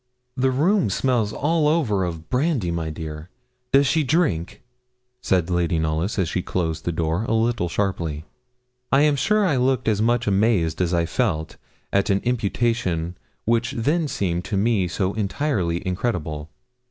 'The room smells all over of brandy, my dear does she drink?' said Lady Knollys, as she closed the door, a little sharply. I am sure I looked as much amazed as I felt, at an imputation which then seemed to me so entirely incredible.